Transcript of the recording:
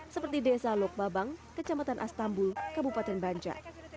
seperti desa lokbabang kecamatan astambul kabupaten banja